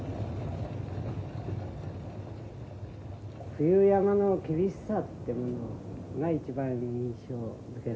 冬山の厳しさってものが一番印象づけられております。